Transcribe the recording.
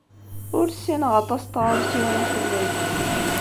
Ur ssineɣ aṭas n tɣawsiwin fell-ak.